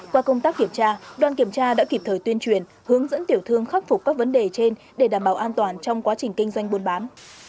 qua công tác kiểm tra đoàn kiểm tra đã kịp thời tuyên truyền hướng dẫn tiểu thương khắc phục các vấn đề trên để đảm bảo an toàn trong quá trình kinh doanh buôn bán